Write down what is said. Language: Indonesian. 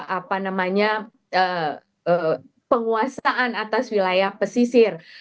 apa namanya penguasaan atas wilayah pesisir